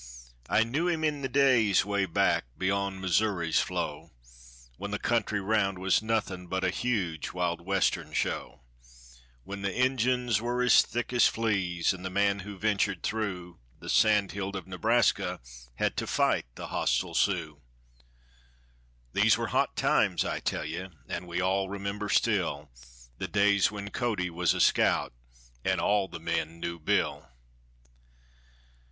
I knew him in the days way back, beyond Missouri's flow, When the country round was nothing but a huge Wild Western Show; When the Injuns were as thick as fleas, and the man who ventured through The sandhills of Nebraska had to fight the hostile Sioux. These were hot times, I tell you; and we all remember still The days when Cody was a scout, and all the men knew Bill.